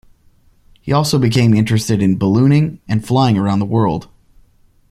He also became interested in ballooning, and flying around the world.